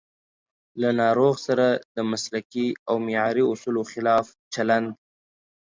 له ناروغ سره د مسلکي او معیاري اصولو خلاف چلند